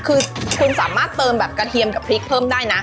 คือคุณสามารถเติมแบบกระเทียมกับพริกเพิ่มได้นะ